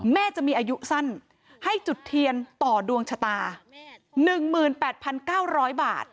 แม่จะมีอายุสั้นให้จุดเทียนต่อดวงชะตา๑๘๙๐๐บาท